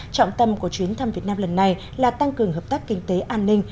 trọng tâm của chuyến thăm việt nam lần này là tăng cường hợp tác kinh tế an ninh